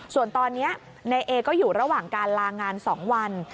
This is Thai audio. ส่วนตอนนี้นายเอก็อยู่ระหว่างการลางาน๒วัน